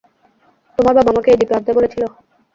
তোমার বাবা আমাকে এই দ্বীপে আনতে বলেছিল?